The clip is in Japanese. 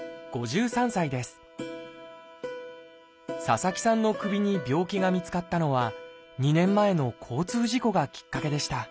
佐々木さんの首に病気が見つかったのは２年前の交通事故がきっかけでした。